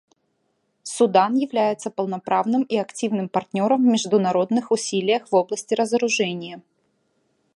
Судан является полноправным и активным партнером в международных усилиях в области разоружения.